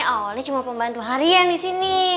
awalnya cuma pembantu harian disini